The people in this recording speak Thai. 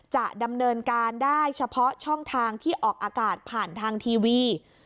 จะดำเนินการได้เฉพาะช่องทางที่ออกอากาศผ่านทางทีวี